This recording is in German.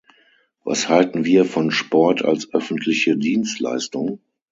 Was halten wir von Sport als öffentliche Dienstleistung?